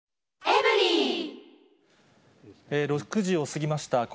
６時を過ぎました。